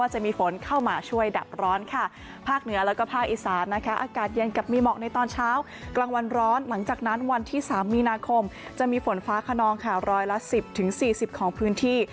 หลังจากนั้นวันที่๓มีนาคมจะมีฝนฟ้าขนองค่ะรอยละ๑๐๔๐ของพื้นที่